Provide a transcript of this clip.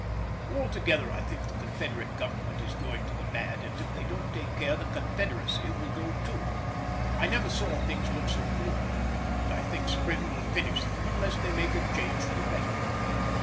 Altogether I think the Confederate Government is going to the bad, and if they don't take care the Confederacy will go too. I never saw things look so gloomy, and I think spring will finish them unless they make a change for the better.